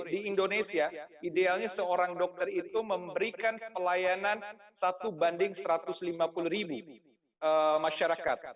di indonesia idealnya seorang dokter itu memberikan pelayanan rp satu ratus lima puluh masyarakat